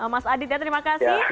mas adit ya terima kasih